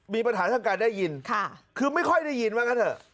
มีปัญหาทางการได้ยินคือไม่ค่อยได้ยินว่างั้นเถอะ